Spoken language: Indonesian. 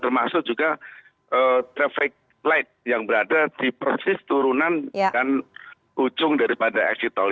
termasuk juga traffic light yang berada di proses turunan dan ujung daripada exit tol